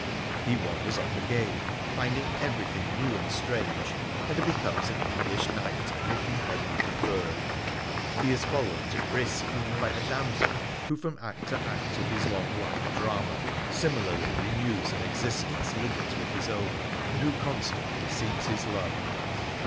He wanders off again, finding everything new and strange, and becomes an English knight under King Edward III. He is followed to Crecy by a damsel who from act to act of his long life drama similarly renews an existence linked with his own, and who constantly seeks his love.